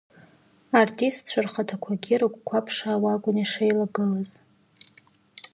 Артистцәа рхаҭақәагьы рыгәқәа ԥшаауа акәын ишеилагылаз.